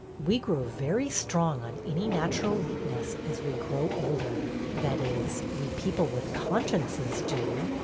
We grow very strong on any natural weak ness as we grow older. That is, we people with consciences do."